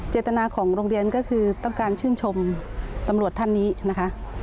เจตนาของโรงเรียนก็คือต้องการชื่นชมตำรวจท่านนี้นะคะ